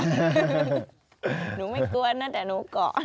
หนูไม่กลัวนะแต่หนูเกาะ